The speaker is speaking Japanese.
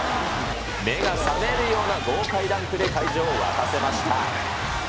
目が覚めるような豪快ダンクで会場を沸かせました。